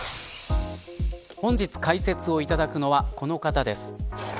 本日解説をいただくのはこの方です。